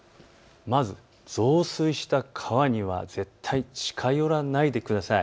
まず増水した川には絶対近寄らないでください。